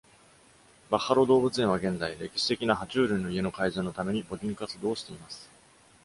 バッファロー動物園は現在、歴史的な爬虫類の家の改造のために募金活動をしています。